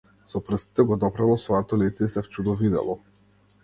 Со прстите го допрело своето лице и се вчудовидело.